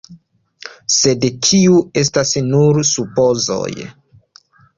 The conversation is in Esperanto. Sed tiuj estas nur supozoj.